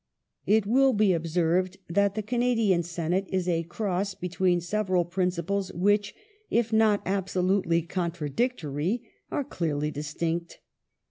^ It will be observed that the Canadian Senate is a cross between seveial principles which, if not absolutely contradictory, are clearly distinct.